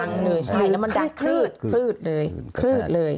ดังเลยใช่แล้วมันคืดคืดเลยคืดเลย